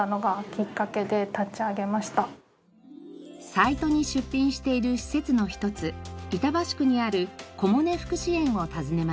サイトに出品している施設の一つ板橋区にある小茂根福祉園を訪ねました。